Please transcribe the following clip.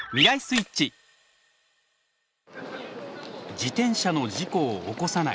自転車の事故を起こさない。